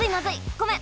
ごめん！